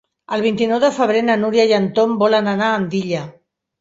El vint-i-nou de febrer na Núria i en Tom volen anar a Andilla.